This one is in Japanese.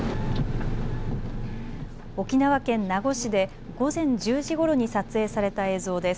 沖縄県名護市で午前１０時ごろに撮影された映像です。